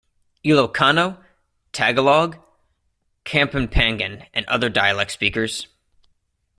Ilokano, Tagalog, Kapampangan and other dialect speakers.